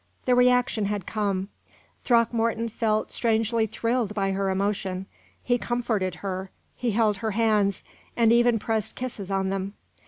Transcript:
The reaction had come. Throckmorton felt strangely thrilled by her emotion. He comforted her, he held her hands, and even pressed kisses on them.